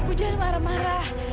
ibu jangan marah marah